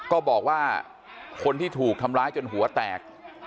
ก็บอกว่าคนที่ถูกทำร้ายจนหัวแตก